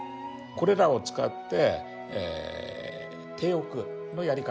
これらを使って手浴のやり方